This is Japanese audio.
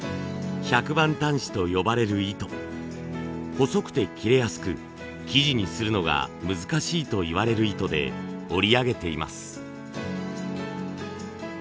細くて切れやすく生地にするのが難しいといわれる糸で織りあげています。